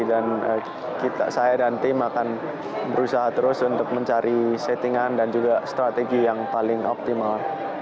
dan saya dan tim akan berusaha terus untuk mencari settingan dan juga strategi yang paling optimal